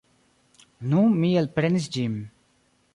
Nun mi elprenis ĝin.